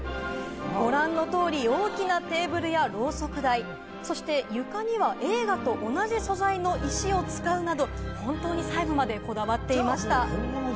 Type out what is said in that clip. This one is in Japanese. ご覧の通り大きなテーブルや、ろうそく台、そして床には映画と同じ素材の石を使うなど、本当に細部までこだわっていました。